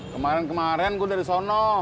kemarin kemarin gue dari sono